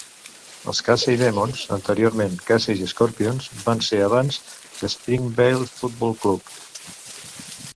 Els Casey Demons, anteriorment Casey Scorpions, van ser abans l'Springvale Football Club.